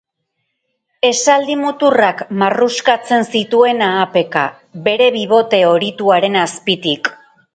Esaldi-muturrak marruskatzen zituen ahapeka, bere bibote horituaren azpitik.